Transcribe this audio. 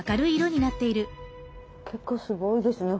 結構すごいですね